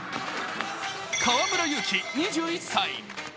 河村勇輝２１歳。